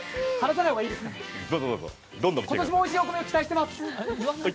今年もおいしいお米を期待してます！